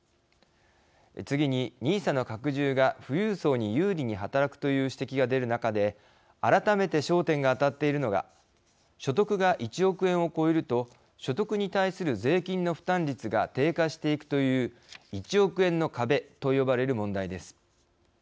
次に、ＮＩＳＡの拡充が富裕層に有利に働くという指摘が出る中で改めて焦点が当たっているのが所得が１億円を超えると所得に対する税金の負担率が低下していくという１億円の壁と呼ばれる問題です。